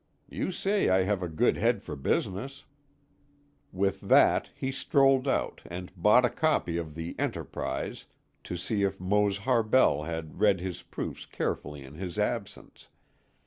You say I have a good head for business." With that he strolled out and bought a copy of the Enterprise to see if Mose Harbell had read his proofs carefully in his absence.